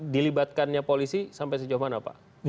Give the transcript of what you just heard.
dilibatkannya polisi sampai sejauh mana pak